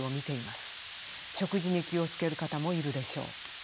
食事に気を付ける方もいるでしょう。